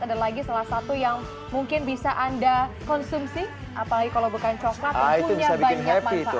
ada lagi salah satu yang mungkin bisa anda konsumsi apalagi kalau bukan coklat yang punya banyak manfaat